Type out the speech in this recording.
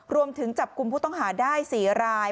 รวมถึงจับกลุ่มผู้ต้องหาได้๔ราย